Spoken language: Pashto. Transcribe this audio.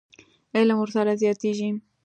علم ورسره زیاتېږي.